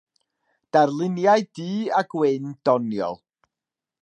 Darluniau du-a-gwyn doniol.